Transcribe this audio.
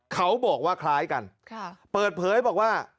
เขาบอกว่าคล้ายกันเปิดเผยบอกว่า